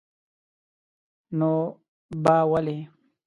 نو با ولي?